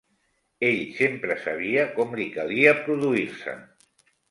Ell sempre sabia com li calia produir-se.